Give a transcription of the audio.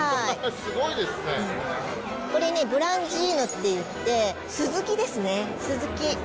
これね、グランジーノっていって、スズキですね、スズキ。